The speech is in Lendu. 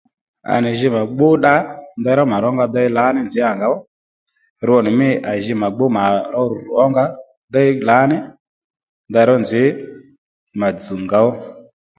À nì jǐ mà gbú dda ndero mà rónga déy lǎní ndero nzǐ à ngǒw rwo nì mî à jì mà gbú mà ró rù ónga déy lǎní ndero nzǐ mà dzz̀ ngǒw